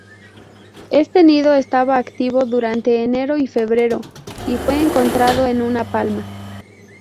Este nido estaba activo durante enero y febrero y fue encontrado en una palma.